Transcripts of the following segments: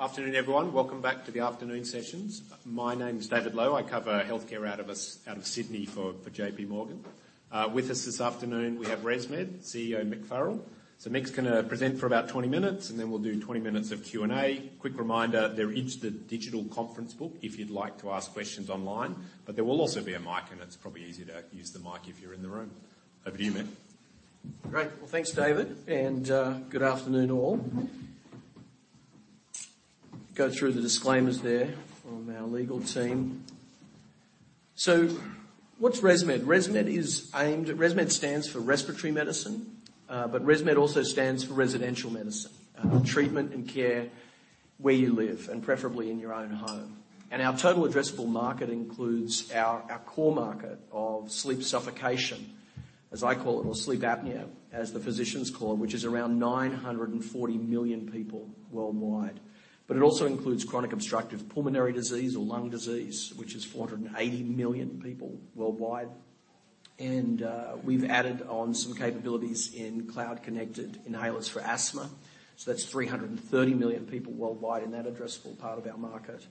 Afternoon, everyone. Welcome back to the afternoon sessions. My name is David Low. I cover healthcare out of Sydney for JPMorgan. With us this afternoon, we have ResMed CEO Mick Farrell. Mick's gonna present for about 20 minutes, and then we'll do 20 minutes of Q&A. Quick reminder, they're in the digital conference book if you'd like to ask questions online. There will also be a mic, and it's probably easier to use the mic if you're in the room. Over to you, Mick. Great. Well, thanks, David, good afternoon all. Go through the disclaimers there from our legal team. What's ResMed? ResMed stands for respiratory medicine, ResMed also stands for residential medicine, treatment and care where you live and preferably in your own home. Our total addressable market includes our core market of sleep suffocation, as I call it, or sleep apnea, as the physicians call it, which is around 940 million people worldwide. It also includes chronic obstructive pulmonary disease or lung disease, which is 480 million people worldwide. We've added on some capabilities in cloud-connected inhalers for asthma, that's 330 million people worldwide in that addressable part of our market.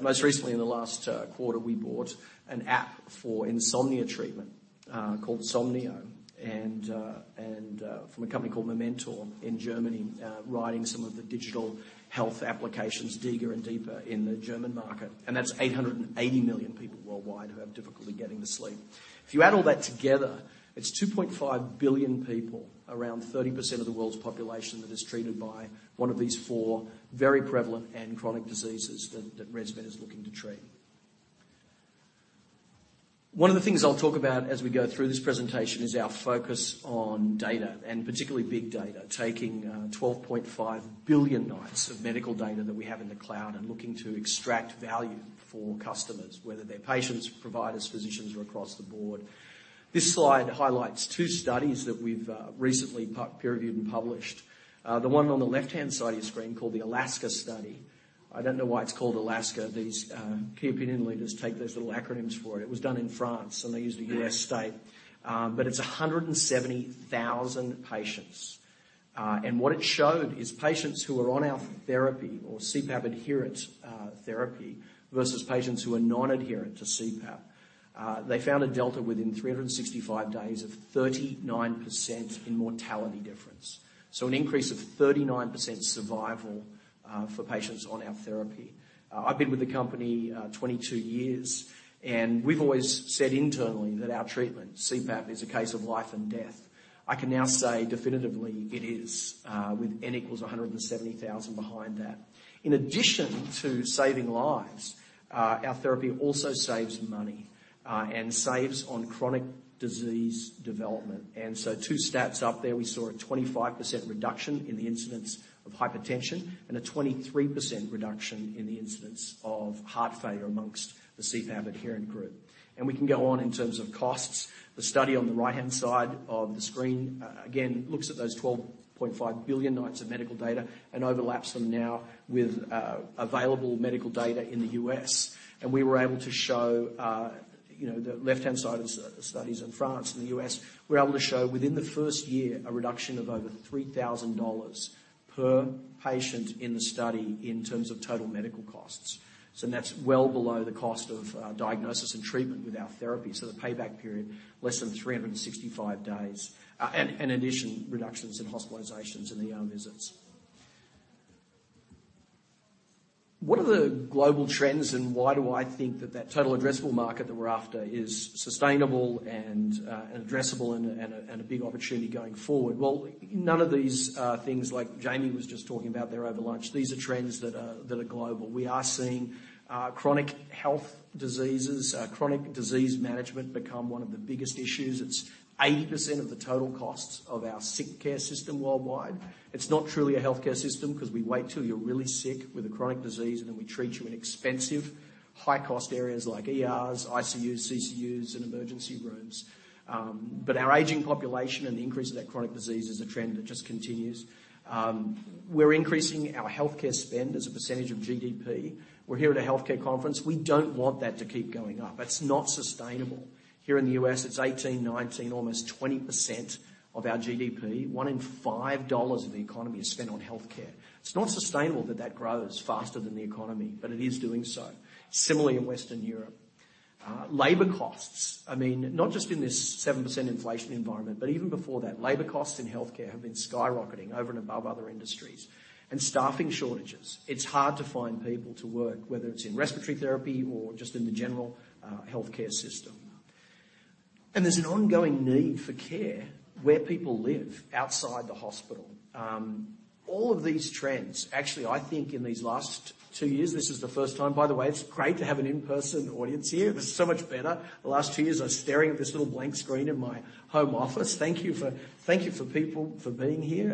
Most recently in the last quarter, we bought an app for insomnia treatment, called somnio from a company called mementor in Germany, riding some of the digital health applications deeper and deeper in the German market, and that's 880 million people worldwide who have difficulty getting to sleep. If you add all that together, it's 2.5 billion people, around 30% of the world's population that is treated by one of these four very prevalent and chronic diseases that ResMed is looking to treat. One of the things I'll talk about as we go through this presentation is our focus on data, and particularly big data, taking 12.5 billion nights of medical data that we have in the cloud and looking to extract value for customers, whether they're patients, providers, physicians or across the board. This slide highlights two studies that we've recently peer reviewed and published. The one on the left-hand side of your screen called the ALASKA study. I don't know why it's called ALASKA. These key opinion leaders take those little acronyms for it. It was done in France, they used a U.S. state, it's 170,000 patients. What it showed is patients who are on our therapy or CPAP adherent therapy versus patients who are non-adherent to CPAP. They found a delta within 365 days of 39% in mortality difference. An increase of 39% survival for patients on our therapy. I've been with the company, 22 years, and we've always said internally that our treatment, CPAP, is a case of life and death. I can now say definitively it is, with N equals 170,000 behind that. In addition to saving lives, our therapy also saves money, and saves on chronic disease development. Two stats up there, we saw a 25% reduction in the incidence of hypertension and a 23% reduction in the incidence of heart failure amongst the CPAP adherent group. We can go on in terms of costs. The study on the right-hand side of the screen, again, looks at those 12.5 billion nights of medical data and overlaps them now with, available medical data in the U.S. We were able to show, you know, the left-hand side of the study's in France and the U.S., we're able to show within the first year a reduction of over $3,000 per patient in the study in terms of total medical costs. That's well below the cost of diagnosis and treatment with our therapy. The payback period, less than 365 days. And addition reductions in hospitalizations and ER visits. What are the global trends and why do I think that that total addressable market that we're after is sustainable and addressable and a big opportunity going forward? Well, none of these things, like Jamie was just talking about there over lunch, these are trends that are global. We are seeing chronic health diseases, chronic disease management become one of the biggest issues. It's 80% of the total costs of our sick care system worldwide. It's not truly a healthcare system because we wait till you're really sick with a chronic disease, and then we treat you in expensive high-cost areas like ERs, ICUs, CCUs, and emergency rooms. Our aging population and the increase of that chronic disease is a trend that just continues. We're increasing our healthcare spend as a percentage of GDP. We're here at a healthcare conference. We don't want that to keep going up. That's not sustainable. Here in the U.S., it's 18%, 19%, almost 20% of our GDP. One in five dollars of the economy is spent on healthcare. It's not sustainable that that grows faster than the economy, but it is doing so. Similarly in Western Europe. Labor costs, I mean, not just in this 7% inflation environment, but even before that, labor costs in healthcare have been skyrocketing over and above other industries. Staffing shortages, it's hard to find people to work, whether it's in respiratory therapy or just in the general healthcare system. There's an ongoing need for care where people live outside the hospital. Actually, I think in these last two years, this is the first time. By the way, it's great to have an in-person audience here. This is so much better. The last two years I was staring at this little blank screen in my home office. Thank you for people for being here.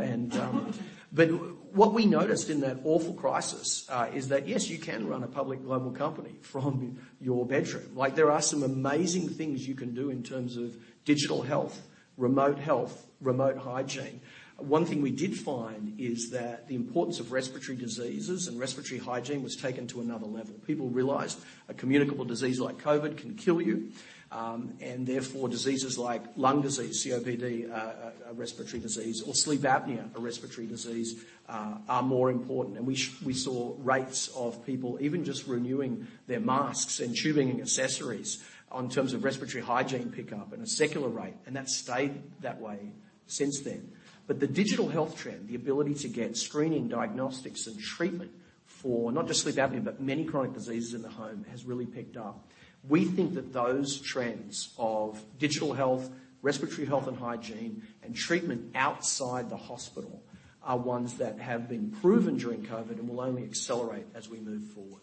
What we noticed in that awful crisis is that, yes, you can run a public global company from your bedroom. Like, there are some amazing things you can do in terms of digital health, remote health, remote hygiene. One thing we did find is that the importance of respiratory diseases and respiratory hygiene was taken to another level. People realized a communicable disease like COVID can kill you, and therefore diseases like lung disease, COPD, a respiratory disease, or sleep apnea, a respiratory disease, are more important. We saw rates of people even just renewing their masks and tubing and accessories on terms of respiratory hygiene pickup at a secular rate, and that stayed that way since then. The digital health trend, the ability to get screening, diagnostics and treatment for not just sleep apnea, but many chronic diseases in the home has really picked up. We think that those trends of digital health, respiratory health and hygiene, and treatment outside the hospital are ones that have been proven during COVID and will only accelerate as we move forward.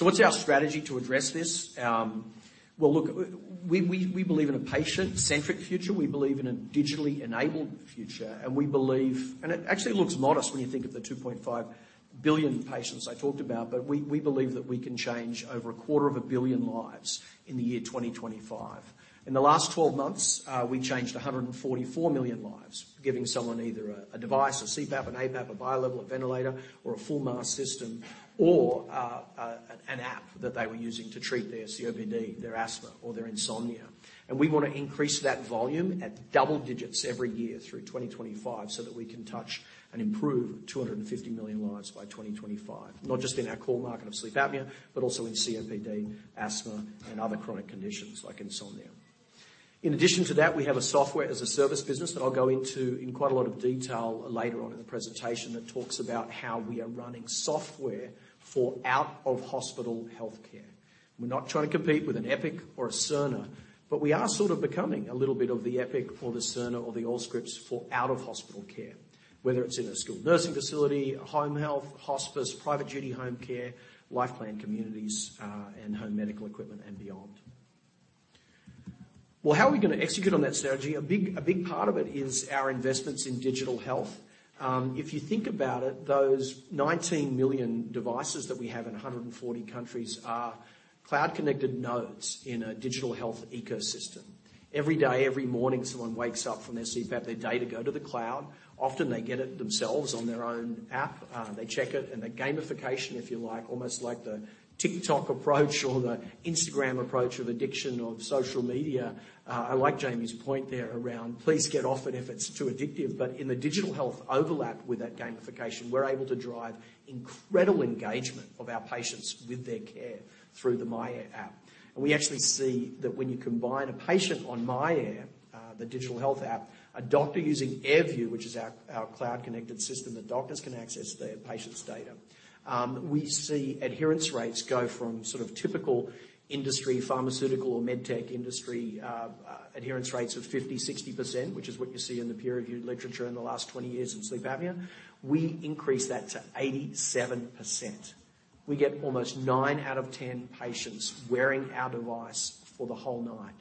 What's our strategy to address this? Well, look, we believe in a patient-centric future. We believe in a digitally enabled future, and we believe... It actually looks modest when you think of the 2.5 billion patients I talked about, we believe that we can change over a quarter of a billion lives in the year 2025. In the last 12 months, we changed 144 million lives, giving someone either a device, a CPAP, an APAP, a bilevel, a ventilator, or a full mask system or an app that they were using to treat their COPD, their asthma, or their insomnia. We wanna increase that volume at double digits every year through 2025 so that we can touch and improve 250 million lives by 2025, not just in our core market of sleep apnea, but also in COPD, asthma, and other chronic conditions like insomnia. In addition to that, we have a software as a service business that I'll go into in quite a lot of detail later on in the presentation that talks about how we are running software for out-of-hospital healthcare. We're not trying to compete with an Epic or a Cerner, we are sort of becoming a little bit of the Epic or the Cerner or the Allscripts for out-of-hospital care, whether it's in a skilled nursing facility, home health, hospice, private duty home care, life plan communities, and home medical equipment and beyond. How are we gonna execute on that strategy? A big part of it is our investments in digital health. If you think about it, those 19 million devices that we have in 140 countries are cloud-connected nodes in a digital health ecosystem. Every day, every morning, someone wakes up from their CPAP, their data go to the cloud. Often they get it themselves on their own app. They check it, and the gamification, if you like, almost like the TikTok approach or the Instagram approach of addiction of social media. I like Jamie's point there around please get off it if it's too addictive. In the digital health overlap with that gamification, we're able to drive incredible engagement of our patients with their care through the myAir app. We actually see that when you combine a patient on myAir, the digital health app, a doctor using AirView, which is our cloud-connected system that doctors can access their patients' data. We see adherence rates go from sort of typical industry, pharmaceutical or med tech industry adherence rates of 50%, 60%, which is what you see in the peer-reviewed literature in the last 20 years in sleep apnea. We increase that to 87%. We get almost nine out of 10 patients wearing our device for the whole night,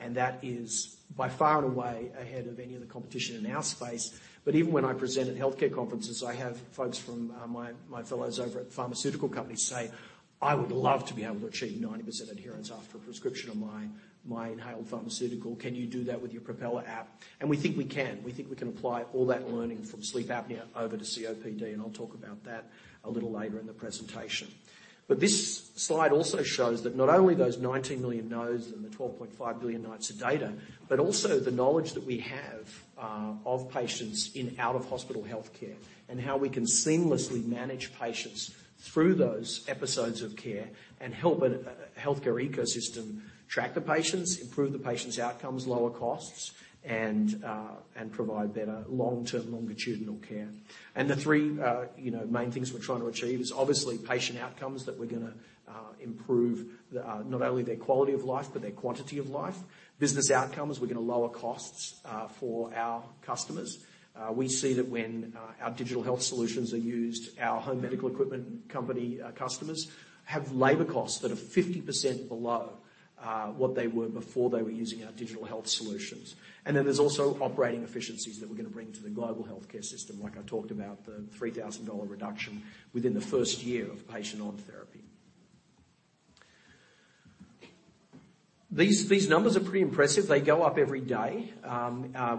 and that is by far and away ahead of any of the competition in our space. Even when I present at healthcare conferences, I have folks from my fellows over at pharmaceutical companies say, "I would love to be able to achieve 90% adherence after a prescription of my inhaled pharmaceutical. Can you do that with your Propeller app?" We think we can. We think we can apply all that learning from sleep apnea over to COPD, and I'll talk about that a little later in the presentation. This slide also shows that not only those 19 million nodes and the 12.5 billion nights of data, but also the knowledge that we have of patients in out-of-hospital healthcare and how we can seamlessly manage patients through those episodes of care and help a healthcare ecosystem track the patients, improve the patient's outcomes, lower costs, and provide better long-term longitudinal care. The three, you know, main things we're trying to achieve is obviously patient outcomes that we're gonna improve the not only their quality of life, but their quantity of life. Business outcomes, we're gonna lower costs for our customers. We see that when our digital health solutions are used, our home medical equipment company customers have labor costs that are 50% below what they were before they were using our digital health solutions. There's also operating efficiencies that we're gonna bring to the global healthcare system, like I talked about, the $3,000 reduction within the first year of patient on therapy. These numbers are pretty impressive. They go up every day.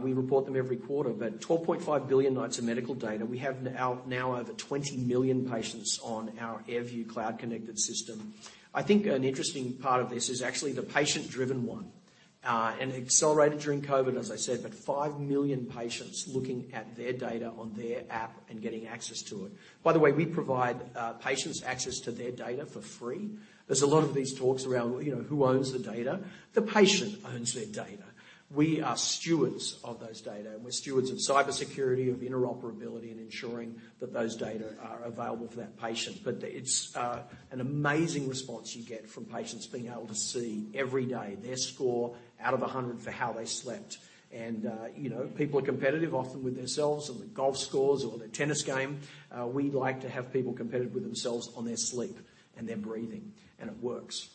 We report them every quarter, 12.5 billion nights of medical data. We have now over 20 million patients on our AirView cloud-connected system. I think an interesting part of this is actually the patient-driven one, and it accelerated during COVID, as I said, 5 million patients looking at their data on their app and getting access to it. By the way, we provide patients access to their data for free. There's a lot of these talks around, you know, who owns the data. The patient owns their data. We are stewards of those data, and we're stewards of cybersecurity, of interoperability, and ensuring that those data are available for that patient. It's an amazing response you get from patients being able to see every day their score out of 100 for how they slept. You know, people are competitive often with themselves on their golf scores or their tennis game. We like to have people competitive with themselves on their sleep and their breathing, and it works.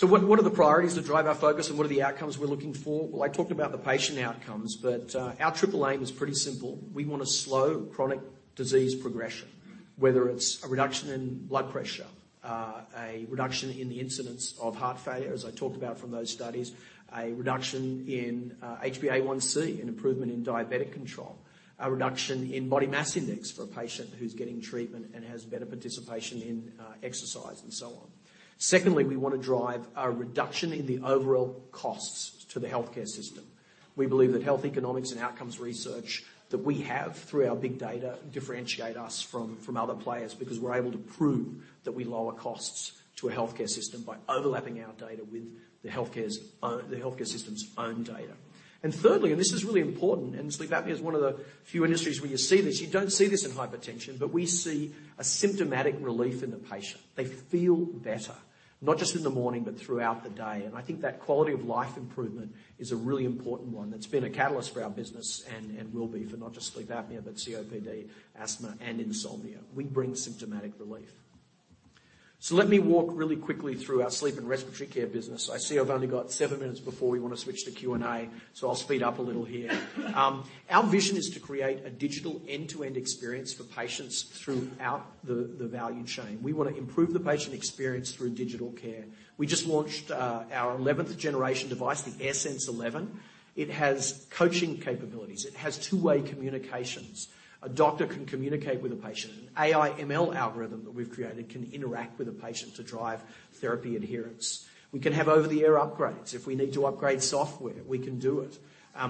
What, what are the priorities that drive our focus, and what are the outcomes we're looking for? Well, I talked about the patient outcomes, but our triple aim is pretty simple. We wanna slow chronic disease progression, whether it's a reduction in blood pressure, a reduction in the incidence of heart failure, as I talked about from those studies, a reduction in HbA1c, an improvement in diabetic control, a reduction in body mass index for a patient who's getting treatment and has better participation in exercise and so on. Secondly, we wanna drive a reduction in the overall costs to the healthcare system. We believe that health economics and outcomes research that we have through our big data differentiate us from other players because we're able to prove that we lower costs to a healthcare system by overlapping our data with the healthcare system's own data. Thirdly, and this is really important, and sleep apnea is one of the few industries where you see this. You don't see this in hypertension, but we see a symptomatic relief in the patient. They feel better, not just in the morning, but throughout the day. I think that quality of life improvement is a really important one that's been a catalyst for our business and will be for not just sleep apnea, but COPD, asthma, and insomnia. We bring symptomatic relief. Let me walk really quickly through our sleep and respiratory care business. I see I've only got seven minutes before we want to switch to Q&A, I'll speed up a little here. Our vision is to create a digital end-to-end experience for patients throughout the value chain. We wanna improve the patient experience through digital care. We just launched our 11th generation device, the AirSense 11. It has coaching capabilities. It has two-way communications. A doctor can communicate with a patient. An AI ML algorithm that we've created can interact with a patient to drive therapy adherence. We can have over-the-air upgrades. If we need to upgrade software, we can do it.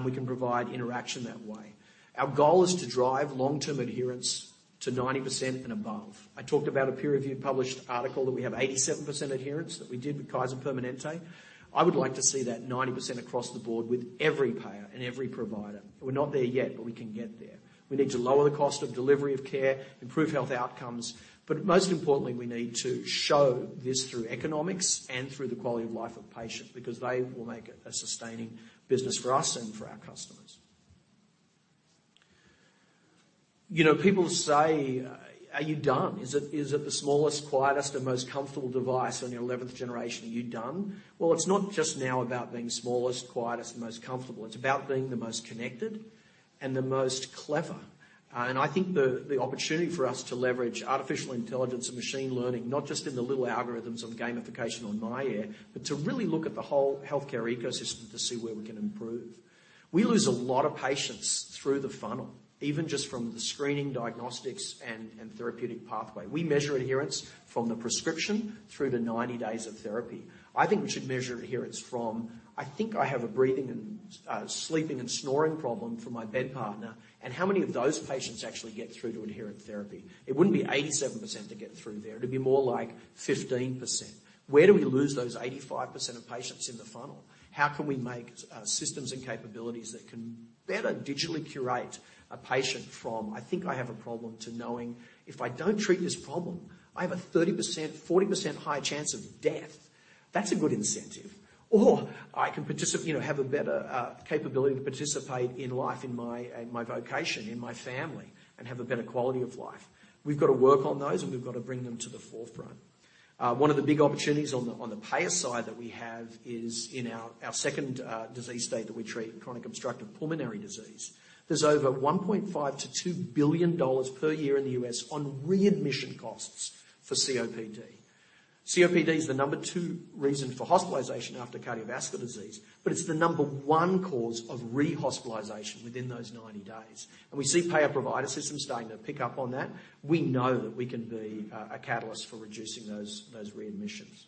We can provide interaction that way. Our goal is to drive long-term adherence to 90% and above. I talked about a peer-reviewed published article that we have 87% adherence that we did with Kaiser Permanente. I would like to see that 90% across the board with every payer and every provider. We're not there yet, but we can get there. We need to lower the cost of delivery of care, improve health outcomes. Most importantly, we need to show this through economics and through the quality of life of patients because they will make a sustaining business for us and for our customers. You know, people say, "Are you done? Is it the smallest, quietest and most comfortable device on your 11th generation? Are you done?" Well, it's not just now about being smallest, quietest and most comfortable. It's about being the most connected and the most clever. I think the opportunity for us to leverage artificial intelligence and machine learning, not just in the little algorithms of gamification on myAir, but to really look at the whole healthcare ecosystem to see where we can improve. We lose a lot of patients through the funnel, even just from the screening, diagnostics, and therapeutic pathway. We measure adherence from the prescription through to 90 days of therapy. I think we should measure adherence from, "I think I have a breathing and sleeping and snoring problem from my bed partner," and how many of those patients actually get through to adherent therapy. It wouldn't be 87% to get through there. It'd be more like 15%. Where do we lose those 85% of patients in the funnel? How can we make systems and capabilities that can better digitally curate a patient from, "I think I have a problem," to knowing, "If I don't treat this problem, I have a 30%, 40% higher chance of death." That's a good incentive. I can you know, have a better capability to participate in life in my, in my vocation, in my family, and have a better quality of life. We've got to work on those, and we've got to bring them to the forefront. One of the big opportunities on the, on the payer side that we have is in our second disease state that we treat, chronic obstructive pulmonary disease. There's over $1.5 billion-$2 billion per year in the U.S. on readmission costs for COPD. COPD is the number two reason for hospitalization after cardiovascular disease, but it's the number one cause of rehospitalization within those 90 days. We see payer provider systems starting to pick up on that. We know that we can be a catalyst for reducing those readmissions.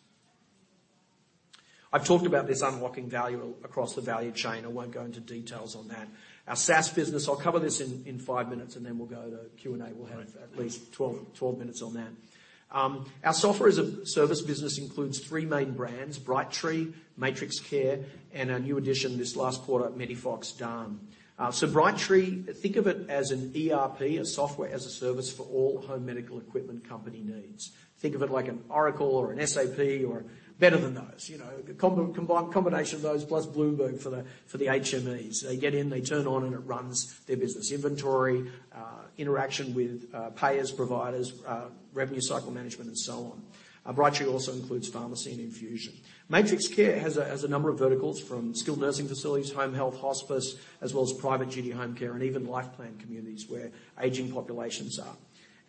I've talked about this unlocking value across the value chain. I won't go into details on that. Our SaaS business, I'll cover this in five minutes, and then we'll go to Q&A. We'll have at least 12 minutes on that. Our software as a service business includes three main brands, Brightree, MatrixCare, and our new addition this last quarter, MEDIFOX DAN. Brightree, think of it as an ERP, a software as a service for all home medical equipment company needs. Think of it like an Oracle or an SAP or better than those. You know, a combination of those plus Bloomberg for the HMEs. They get in, they turn on, and it runs their business inventory, interaction with, payers, providers, revenue cycle management, and so on. Brightree also includes pharmacy and infusion. MatrixCare has a number of verticals from skilled nursing facilities, home health, hospice, as well as private duty home care, and even life plan communities where aging populations are.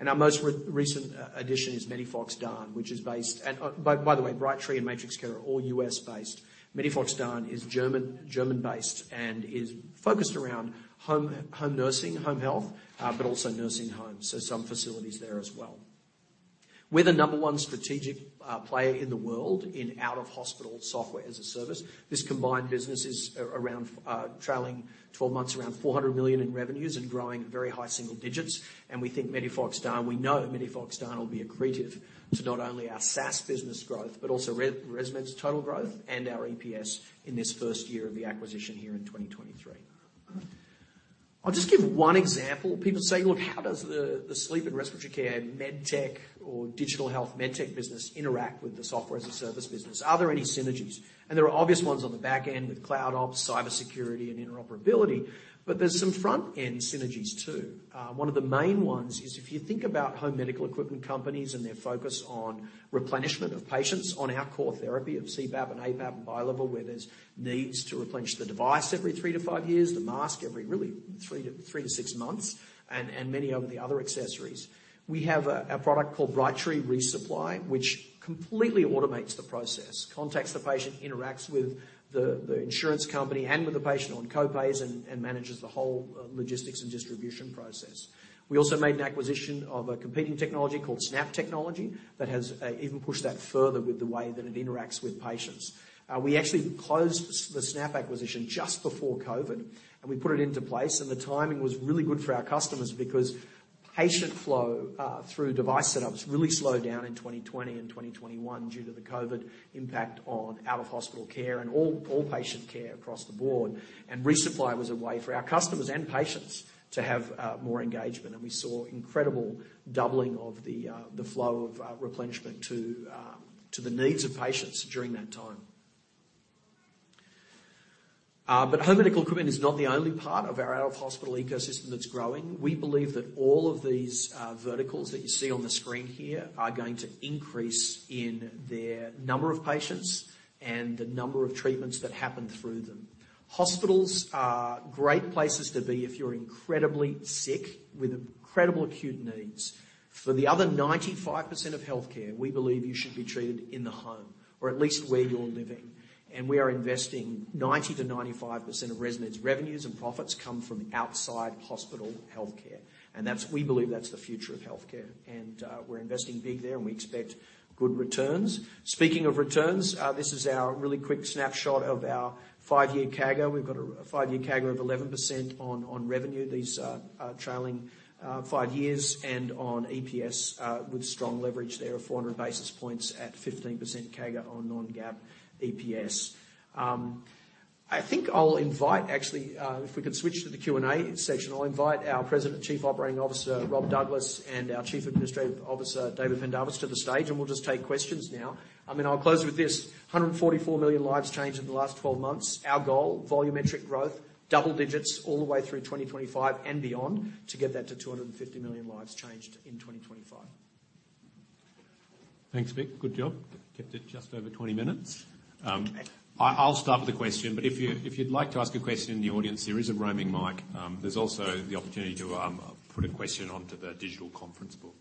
Our most recent addition is MEDIFOX DAN, which is based. By the way, Brightree and MatrixCare are all U.S.-based. MEDIFOX DAN is German-based and is focused around home nursing, home health, but also nursing homes, so some facilities there as well. We're the number 1 strategic player in the world in out-of-hospital Software as a Service. This combined business is around trailing 12 months, around $400 million in revenues and growing very high single digits. We think MEDIFOX DAN, we know MEDIFOX DAN will be accretive to not only our SaaS business growth, but also ResMed's total growth and our EPS in this first year of the acquisition here in 2023. I'll just give one example. People say, "Look, how does the sleep and respiratory care med tech or digital health med tech business interact with the Software as a Service business? Are there any synergies?" There are obvious ones on the back end with Cloud Ops, cybersecurity, and interoperability, but there's some front-end synergies too. One of the main ones is if you think about home medical equipment companies and their focus on replenishment of patients on our core therapy of CPAP and APAP and bilevel, where there's needs to replenish the device every three to five years, the mask every really three to six months, and many of the other accessories. We have a product called Brightree ReSupply, which completely automates the process, contacts the patient, interacts with the insurance company and with the patient on co-pays and manages the whole logistics and distribution process. We also made an acquisition of a competing technology called SnapWorx that has even pushed that further with the way that it interacts with patients. We actually closed the Snap acquisition just before COVID, and we put it into place, and the timing was really good for our customers because patient flow through device setups really slowed down in 2020 and 2021 due to the COVID impact on out-of-hospital care and all patient care across the board. Resupply was a way for our customers and patients to have more engagement. We saw incredible doubling of the flow of replenishment to the needs of patients during that time. Home medical equipment is not the only part of our out-of-hospital ecosystem that's growing. We believe that all of these verticals that you see on the screen here are going to increase in their number of patients and the number of treatments that happen through them. Hospitals are great places to be if you're incredibly sick with incredible acute needs. For the other 95% of healthcare, we believe you should be treated in the home or at least where you're living. We are investing 90%-95% of ResMed's revenues and profits come from outside hospital healthcare. We believe that's the future of healthcare. We're investing big there, and we expect good returns. Speaking of returns, this is our really quick snapshot of our five-year CAGR. We've got a five-year CAGR of 11% on revenue. These are trailing 5 years and on EPS, with strong leverage there of 400 basis points at 15% CAGR on non-GAAP EPS. I think actually, if we could switch to the Q&A section, I'll invite our President Chief Operating Officer, Rob Douglas, and our Chief Administrative Officer, David Pendarvis, to the stage, and we'll just take questions now. I'll close with this. 144 million lives changed in the last 12 months. Our goal, volumetric growth, double digits all the way through 2025 and beyond to get that to 250 million lives changed in 2025. Thanks, Mick. Good job. Kept it just over 20 minutes. I'll start with a question, but if you'd like to ask a question in the audience, there is a roaming mic. There's also the opportunity to put a question onto the digital conference book.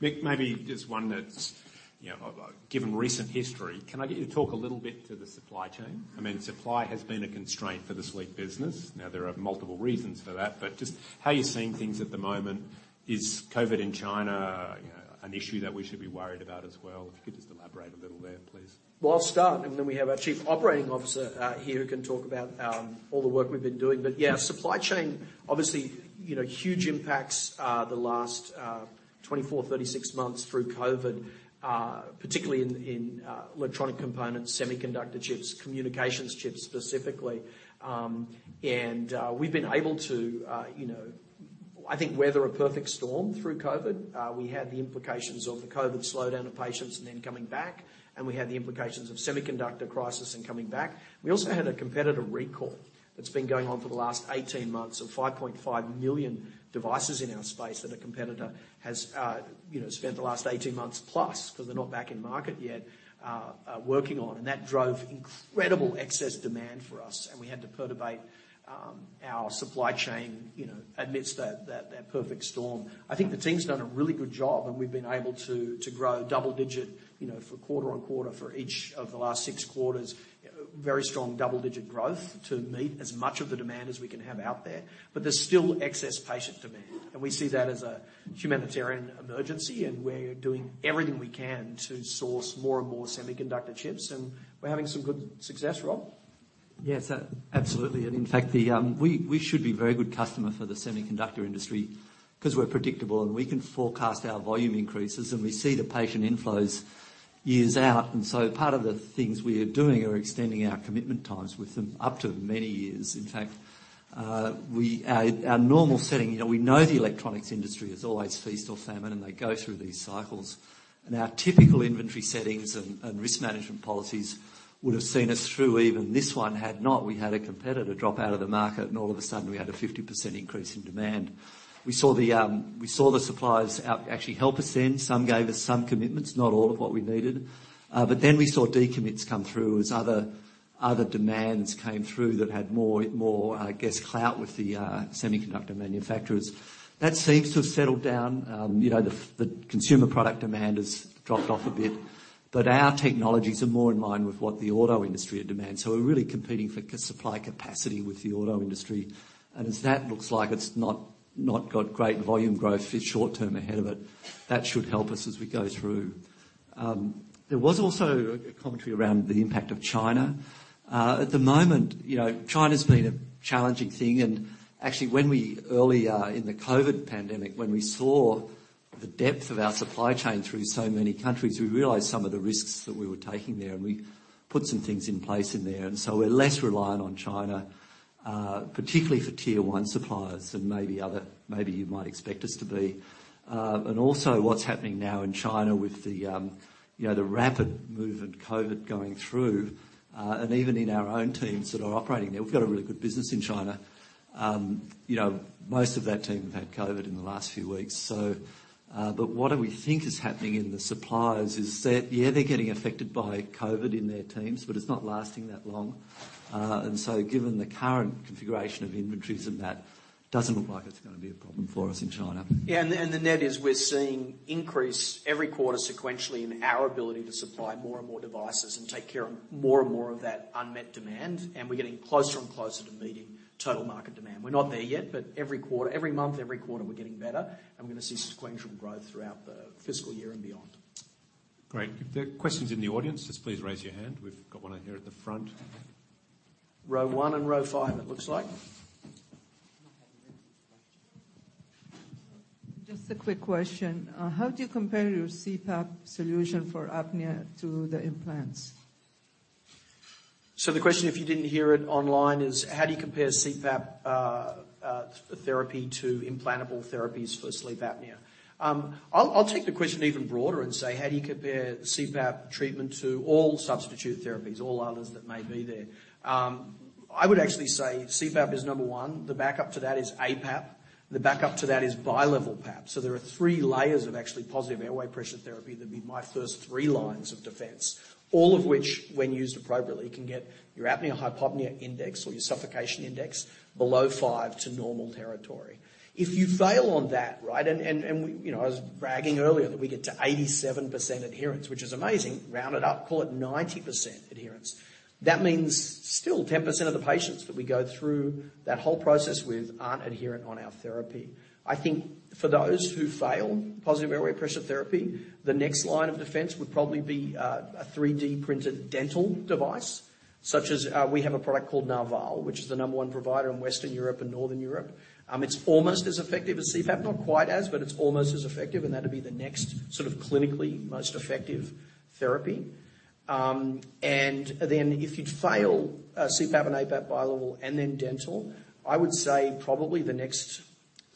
Mick, maybe just one that's, you know, given recent history, can I get you to talk a little bit to the supply chain? I mean, supply has been a constraint for the sleep business. Now, there are multiple reasons for that, but just how are you seeing things at the moment? Is COVID in China, you know, an issue that we should be worried about as well? If you could just elaborate a little there, please. Well, I'll start, and then we have our Chief Operating Officer here, who can talk about all the work we've been doing. Yeah, supply chain, obviously, you know, huge impacts the last 24, 36 months through COVID, particularly in electronic components, semiconductor chips, communications chips specifically. We've been able to, you know, I think weather a perfect storm through COVID. We had the implications of the COVID slowdown of patients and then coming back, and we had the implications of semiconductor crisis and coming back. We also had a competitor recall that's been going on for the last 18 months of 5.5 million devices in our space that a competitor has, you know, spent the last 18 months plus, 'cause they're not back in market yet, working on. That drove incredible excess demand for us, and we had to perturbate our supply chain, you know, amidst that perfect storm. I think the team's done a really good job, and we've been able to grow double-digit, you know, for quarter-on-quarter for each of the last six quarters. Very strong double-digit growth to meet as much of the demand as we can have out there. There's still excess patient demand, and we see that as a humanitarian emergency, and we're doing everything we can to source more and more semiconductor chips, and we're having some good success. Rob? Yes, absolutely. In fact, we should be very good customer for the semiconductor industry 'cause we're predictable and we can forecast our volume increases, and we see the patient inflows years out. Part of the things we are doing are extending our commitment times with them up to many years. In fact, our normal setting, you know, we know the electronics industry is always feast or famine, and they go through these cycles. Our typical inventory settings and risk management policies would have seen us through even this one had not we had a competitor drop out of the market, and all of a sudden, we had a 50% increase in demand. We saw the suppliers actually help us then. Some gave us some commitments, not all of what we needed. We saw decommits come through as other demands came through that had more guess clout with the semiconductor manufacturers. That seems to have settled down. You know, the consumer product demand has dropped off a bit, but our technologies are more in line with what the auto industry demands. We're really competing for supply capacity with the auto industry. As that looks like it's not got great volume growth for short term ahead of it, that should help us as we go through. There was also a commentary around the impact of China. At the moment, you know, China's been a challenging thing. Actually when we early in the COVID pandemic, when we saw the depth of our supply chain through so many countries, we realized some of the risks that we were taking there, and we put some things in place in there. We're less reliant on China, particularly for tier one suppliers and maybe you might expect us to be. Also what's happening now in China with the, you know, the rapid movement COVID going through, and even in our own teams that are operating there. We've got a really good business in China. You know, most of that team have had COVID in the last few weeks, so, but what do we think is happening in the suppliers is that, yeah, they're getting affected by COVID in their teams, but it's not lasting that long. Given the current configuration of inventories and that, doesn't look like it's gonna be a problem for us in China. Yeah. The net is we're seeing increase every quarter sequentially in our ability to supply more and more devices and take care of more and more of that unmet demand. We're getting closer and closer to meeting total market demand. We're not there yet, but every quarter, every month, every quarter, we're getting better, and we're gonna see sequential growth throughout the fiscal year and beyond. Great. If there are questions in the audience, just please raise your hand. We've got one here at the front. Row one and row five, it looks like. Just a quick question. How do you compare your CPAP solution for apnea to the implants? The question, if you didn't hear it online, is how do you compare CPAP therapy to implantable therapies for sleep apnea? I'll take the question even broader and say, how do you compare CPAP treatment to all substitute therapies, all others that may be there? I would actually say CPAP is number one. The backup to that is APAP. The backup to that is bilevel PAP. There are three layers of actually positive airway pressure therapy that'd be my first three lines of defense. All of which, when used appropriately, can get your apnea-hypopnea index or your suffocation index below five to normal territory. If you fail on that, right? We... You know, I was bragging earlier that we get to 87% adherence, which is amazing. Round it up, call it 90% adherence. That means still 10% of the patients that we go through that whole process with aren't adherent on our therapy. I think for those who fail positive airway pressure therapy, the next line of defense would probably be a 3D-printed dental device, such as we have a product called Narval, which is the number one provider in Western Europe and Northern Europe. It's almost as effective as CPAP. Not quite as, but it's almost as effective, and that'd be the next sort of clinically most effective therapy. If you'd fail CPAP and APAP bilevel and then dental, I would say probably the next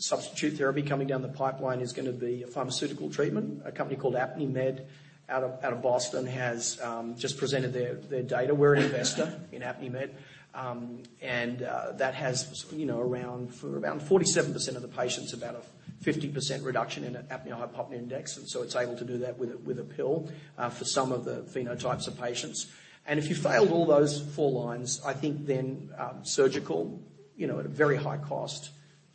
substitute therapy coming down the pipeline is gonna be a pharmaceutical treatment. A company called Apnimed out of Boston has just presented their data. We're an investor in Apnimed. That has, you know, for around 47% of the patients, about a 50% reduction in apnea-hypopnea index, it's able to do that with a pill for some of the phenotypes of patients. If you failed all those four lines, I think surgical, you know, at a very high cost,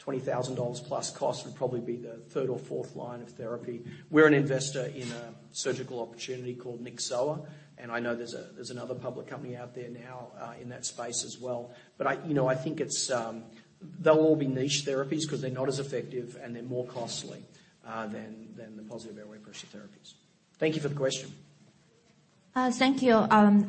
$20,000 plus cost, would probably be the third or fourth line of therapy. We're an investor in a surgical opportunity called Nyxoah, I know there's another public company out there now in that space as well. I, you know, I think it's, they'll all be niche therapies 'cause they're not as effective, and they're more costly than the positive airway pressure therapies. Thank you for the question. Thank you.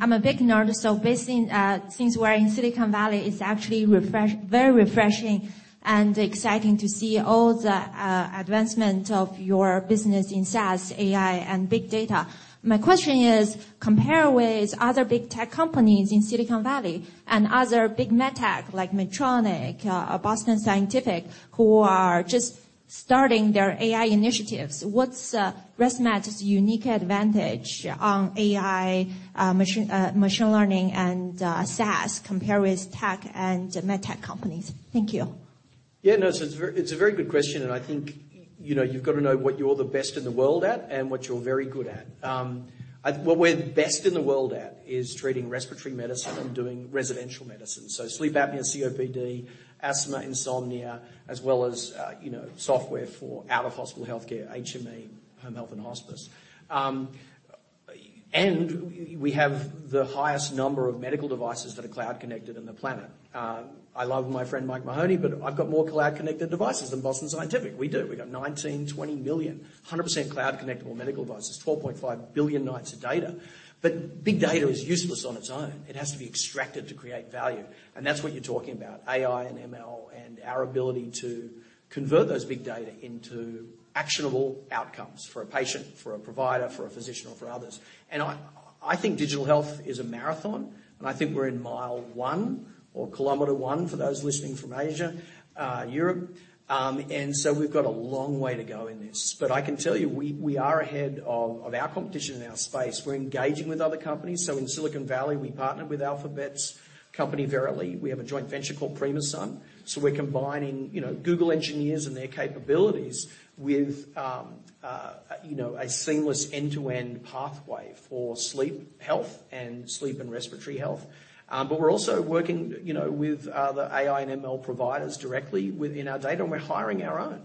I'm a big nerd, basically, since we're in Silicon Valley, it's actually very refreshing and exciting to see all the advancement of your business in SaaS, AI, and big data. My question is, compared with other big tech companies in Silicon Valley and other big med tech like Medtronic, Boston Scientific, who are just starting their AI initiatives, what's ResMed's unique advantage on AI, machine learning and SaaS compared with tech and med tech companies? Thank you. Yeah, no. It's a very good question, and I think, you know, you've got to know what you're the best in the world at and what you're very good at. What we're best in the world at is treating respiratory medicine and doing residential medicine. Sleep apnea, COPD, asthma, insomnia, as well as, you know, software for out-of-hospital healthcare, HME, home health and hospice. We have the highest number of medical devices that are cloud-connected on the planet. I love my friend Mike Mahoney, but I've got more cloud-connected devices than Boston Scientific. We do. We've got 19 million-20 million 100% cloud-connectable medical devices, 12.5 billion nights of data. Big data is useless on its own. It has to be extracted to create value, and that's what you're talking about, AI and ML, and our ability to convert those big data into actionable outcomes for a patient, for a provider, for a physician, or for others. I think digital health is a marathon, and I think we're in mile one or kilometer one for those listening from Asia, Europe. We've got a long way to go in this. I can tell you, we are ahead of our competition in our space. We're engaging with other companies. In Silicon Valley, we partnered with Alphabet's company, Verily. We have a joint venture called Primasun. We're combining, you know, Google engineers and their capabilities with, you know, a seamless end-to-end pathway for sleep health and sleep and respiratory health. We're also working, you know, with the AI and ML providers directly within our data, and we're hiring our own.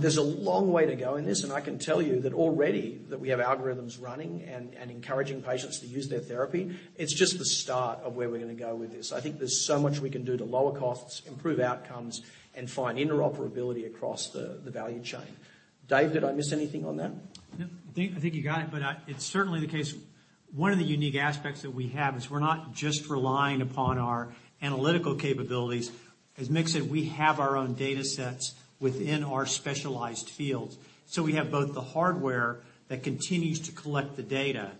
There's a long way to go in this, and I can tell you that already that we have algorithms running and encouraging patients to use their therapy. It's just the start of where we're gonna go with this. I think there's so much we can do to lower costs, improve outcomes, and find interoperability across the value chain. Dave, did I miss anything on that? No. I think you got it, but it's certainly the case. One of the unique aspects that we have is we're not just relying upon our analytical capabilities. As Mick said, we have our own datasets within our specialized fields. We have both the hardware that continues to collect the data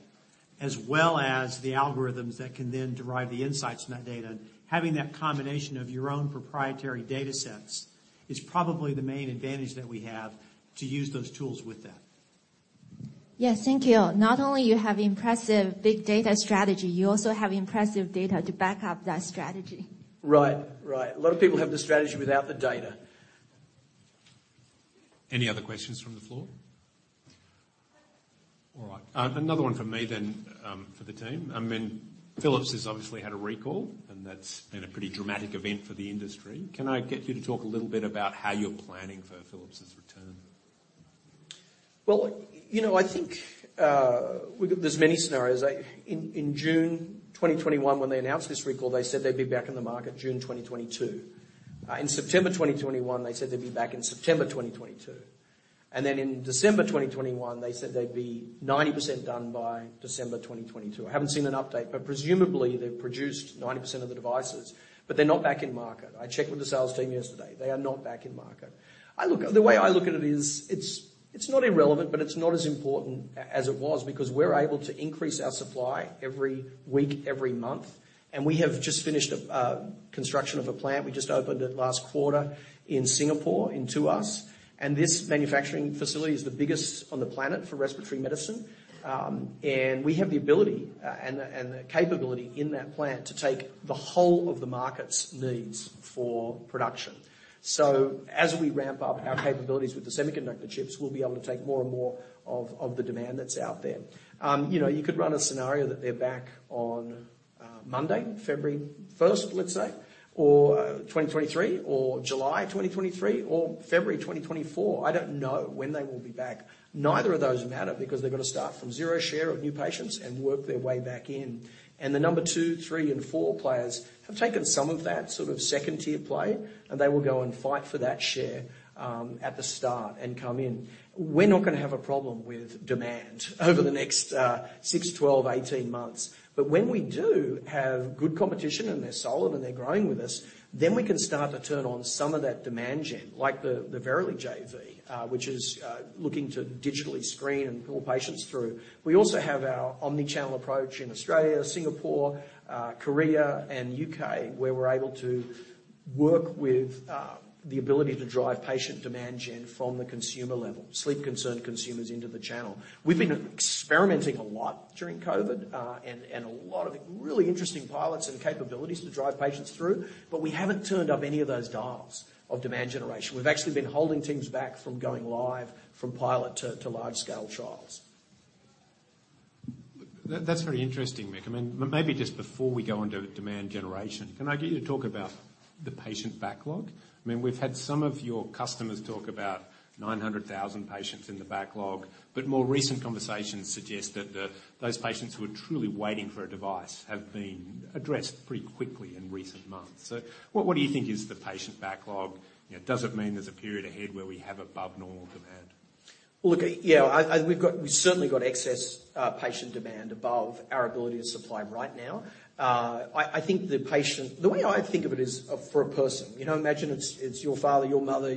as well as the algorithms that can then derive the insights in that data. Having that combination of your own proprietary datasets is probably the main advantage that we have to use those tools with that. Yes. Thank you. Not only you have impressive big data strategy, you also have impressive data to back up that strategy. Right. Right. A lot of people have the strategy without the data. Any other questions from the floor? All right. Another one from me then, for the team. I mean, Philips has obviously had a recall, and that's been a pretty dramatic event for the industry. Can I get you to talk a little bit about how you're planning for Philips' return? Well, you know, I think there's many scenarios. In June 2021, when they announced this recall, they said they'd be back in the market June 2022. In September 2021, they said they'd be back in September 2022. Then in December 2021, they said they'd be 90% done by December 2022. I haven't seen an update, but presumably, they've produced 90% of the devices, but they're not back in market. I checked with the sales team yesterday. They are not back in market. The way I look at it is it's not irrelevant, but it's not as important as it was because we're able to increase our supply every week, every month, and we have just finished a construction of a plant. We just opened it last quarter in Singapore, in Tuas. This manufacturing facility is the biggest on the planet for respiratory medicine. We have the ability and the capability in that plant to take the whole of the market's needs for production. As we ramp up our capabilities with the semiconductor chips, we'll be able to take more and more of the demand that's out there. You know, you could run a scenario that they're back on Monday, February 1st, let's say, or 2023, or July 2023, or February 2024. I don't know when they will be back. Neither of those matter because they've got to start from zero share of new patients and work their way back in. The number two, three, and four players have taken some of that sort of second-tier play, and they will go and fight for that share at the start and come in. We're not gonna have a problem with demand over the next six, 12, 18 months. When we do have good competition, and they're solid, and they're growing with us, then we can start to turn on some of that demand gen, like the Verily JV, which is looking to digitally screen and pull patients through. We also have our omni-channel approach in Australia, Singapore, Korea, and U.K., where we're able to work with the ability to drive patient demand gen from the consumer level, sleep-concerned consumers into the channel. We've been experimenting a lot during COVID, and a lot of really interesting pilots and capabilities to drive patients through, but we haven't turned up any of those dials of demand generation. We've actually been holding teams back from going live from pilot to large scale trials. That's very interesting, Mick. I mean, maybe just before we go into demand generation, can I get you to talk about the patient backlog? I mean, we've had some of your customers talk about 900,000 patients in the backlog, but more recent conversations suggest that those patients who are truly waiting for a device have been addressed pretty quickly in recent months. What do you think is the patient backlog? Does it mean there's a period ahead where we have above normal demand? Look, yeah, we've certainly got excess patient demand above our ability to supply right now. I think the way I think of it is for a person. You know, imagine it's your father, your mother,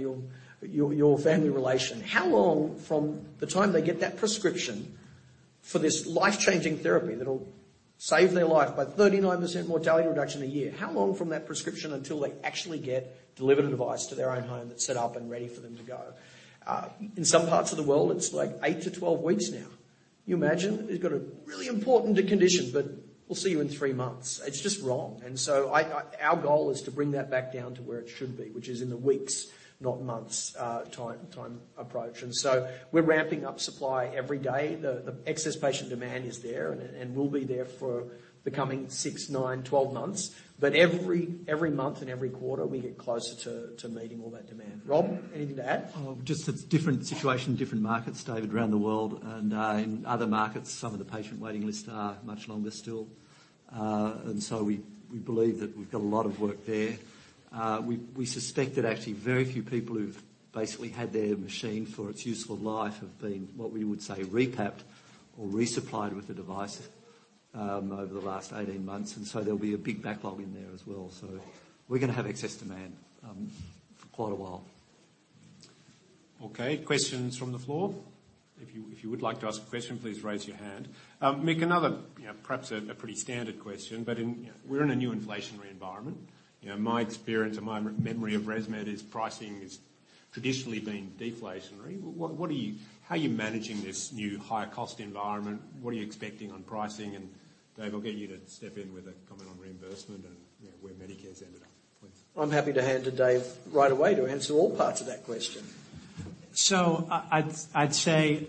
your family relation. How long from the time they get that prescription for this life-changing therapy that'll save their life by 39% mortality reduction a year, how long from that prescription until they actually get delivered a device to their own home that's set up and ready for them to go? In some parts of the world, it's like 8-12 weeks now. You imagine? You've got a really important condition, but we'll see you in three months. It's just wrong. Our goal is to bring that back down to where it should be, which is in the weeks, not months, time approach. We're ramping up supply every day. The excess patient demand is there and will be there for the coming six, nine, 12 months. Every month and every quarter, we get closer to meeting all that demand. Rob, anything to add? Just it's different situation, different markets, David, around the world. In other markets, some of the patient waiting lists are much longer still. We believe that we've got a lot of work there. We suspect that actually very few people who've basically had their machine for its useful life have been, what we would say, repapped or resupplied with the device, over the last 18 months. There'll be a big backlog in there as well. We're gonna have excess demand for quite a while. Okay. Questions from the floor? If you would like to ask a question, please raise your hand. Mick, another, you know, perhaps a pretty standard question, but in, you know, we're in a new inflationary environment. You know, my experience and my memory of ResMed is pricing is traditionally been deflationary. How are you managing this new higher cost environment? What are you expecting on pricing? Dave, I'll get you to step in with a comment on reimbursement and, you know, where Medicare's ended up, please. I'm happy to hand to Dave right away to answer all parts of that question. I'd say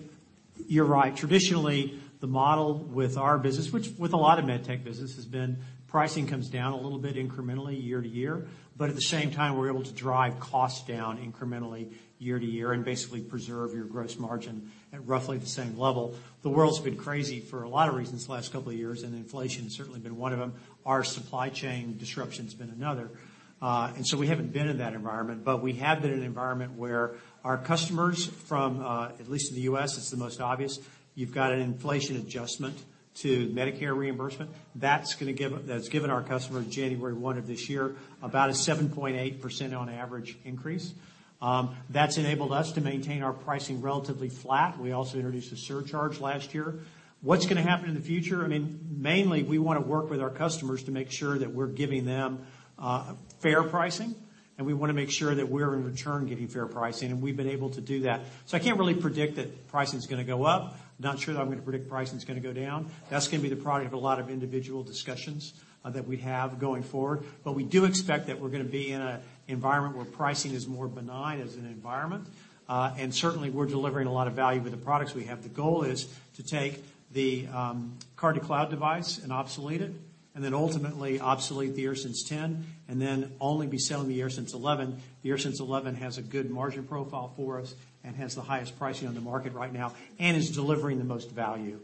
you're right. Traditionally, the model with our business, which with a lot of med tech business, has been pricing comes down a little bit incrementally year to year. We're able to drive costs down incrementally year to year and basically preserve your gross margin at roughly the same level. The world's been crazy for a lot of reasons the last couple of years, and inflation has certainly been one of them. Our supply chain disruption has been another. We haven't been in that environment, but we have been in an environment where our customers from, at least in the U.S., it's the most obvious, you've got an inflation adjustment to Medicare reimbursement. That's given our customers January 1 of this year about a 7.8% on average increase. That's enabled us to maintain our pricing relatively flat. We also introduced a surcharge last year. What's gonna happen in the future? I mean, mainly, we wanna work with our customers to make sure that we're giving them fair pricing, and we wanna make sure that we're in return giving fair pricing, and we've been able to do that. I can't really predict that pricing is gonna go up. Not sure that I'm gonna predict pricing is gonna go down. That's gonna be the product of a lot of individual discussions that we have going forward. We do expect that we're gonna be in a environment where pricing is more benign as an environment. Certainly, we're delivering a lot of value with the products we have. The goal is to take the card-to-cloud device and obsolete it, and then ultimately obsolete the AirSense 10, and then only be selling the AirSense 11. The AirSense 11 has a good margin profile for us and has the highest pricing on the market right now and is delivering the most value.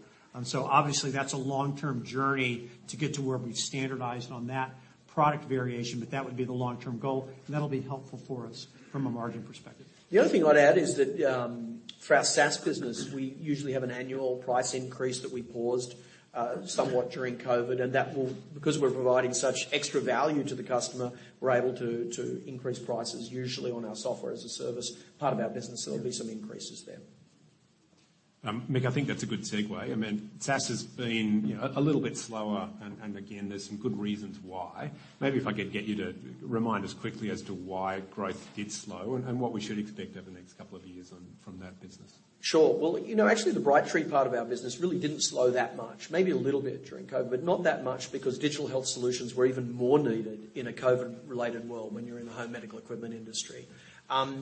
Obviously that's a long-term journey to get to where we've standardized on that product variation, that would be the long-term goal, and that'll be helpful for us from a margin perspective. The other thing I'd add is that for our SaaS business, we usually have an annual price increase that we paused somewhat during COVID, because we're providing such extra value to the customer, we're able to increase prices, usually on our Software as a Service part of our business. There'll be some increases there. Mick, I think that's a good segue. I mean, SaaS has been, you know, a little bit slower and again, there's some good reasons why. Maybe if I could get you to remind us quickly as to why growth did slow and what we should expect over the next couple of years on, from that business. Sure. Well, you know, actually the Brightree part of our business really didn't slow that much. Maybe a little bit during COVID, but not that much because digital health solutions were even more needed in a COVID-related world when you're in the home medical equipment industry.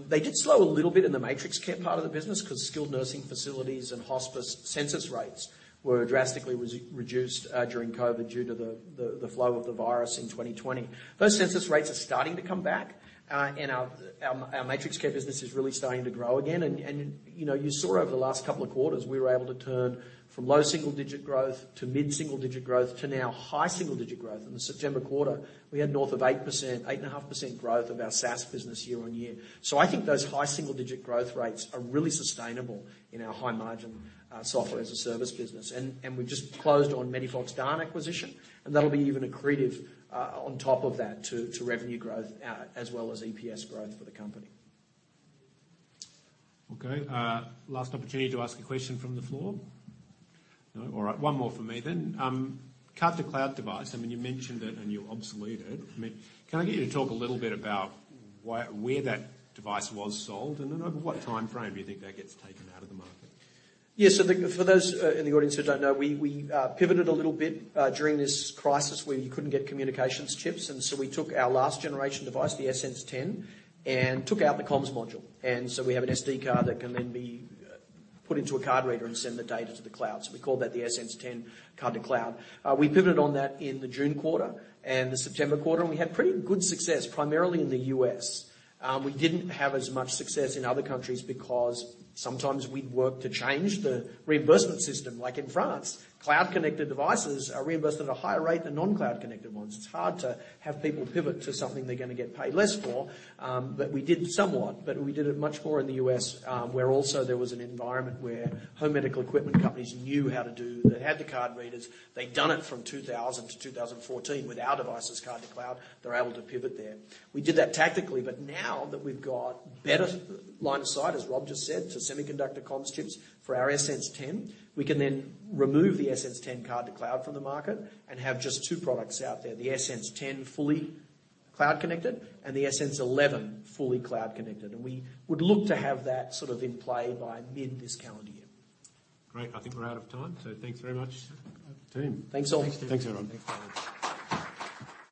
They did slow a little bit in the MatrixCare part of the business 'cause skilled nursing facilities and hospice census rates were drastically reduced during COVID due to the flow of the virus in 2020. Those census rates are starting to come back, and our MatrixCare business is really starting to grow again. You know, you saw over the last couple of quarters, we were able to turn from low single-digit growth to mid single-digit growth to now high single-digit growth. In the September quarter, we had north of 8%, 8.5% growth of our SaaS business year-over-year. I think those high single digit growth rates are really sustainable in our high margin software as a service business. We've just closed on MEDIFOX DAN acquisition, and that'll be even accretive on top of that to revenue growth as well as EPS growth for the company. Okay. Last opportunity to ask a question from the floor. No? All right. One more from me then. card-to-cloud device. I mean, you mentioned it and you obsolete it. I mean, can I get you to talk a little bit about where that device was sold, and then over what timeframe do you think that gets taken out of the market? Yes. For those in the audience who don't know, we pivoted a little bit during this crisis where you couldn't get communications chips. We took our last generation device, the AirSense 10, and took out the comms module. We have an SD card that can then be put into a card reader and send the data to the cloud. We call that the AirSense 10 card-to-cloud. We pivoted on that in the June quarter and the September quarter, and we had pretty good success, primarily in the U.S. We didn't have as much success in other countries because sometimes we'd work to change the reimbursement system. Like in France, cloud-connected devices are reimbursed at a higher rate than non-cloud connected ones. It's hard to have people pivot to something they're gonna get paid less for. We did somewhat, but we did it much more in the U.S., where also there was an environment where home medical equipment companies knew how to do. They had the card readers. They'd done it from 2000 to 2014 with our devices card-to-cloud. They're able to pivot there. We did that tactically, now that we've got better line of sight, as Rob just said, to semiconductor comms chips for our AirSense 10, we can then remove the AirSense 10 card-to-cloud from the market and have just two products out there, the AirSense 10 fully cloud connected and the AirSense 11 fully cloud connected. We would look to have that sort of in play by mid this calendar year. Great. I think we're out of time. Thanks very much. Team. Thanks all. Thanks, team. Thanks, everyone.